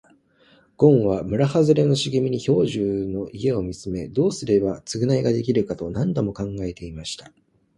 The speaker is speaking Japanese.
ごんは村はずれの茂みから兵十の家を見つめ、どうすれば償いができるのかと何度も考え続けていました。